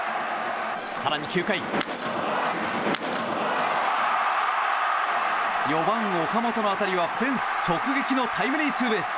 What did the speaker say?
更に９回、４番、岡本の当たりはフェンス直撃のタイムリーツーベース。